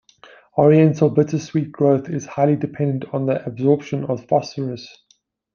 Oriental bittersweet growth is highly dependent on the absorption of phosphorus.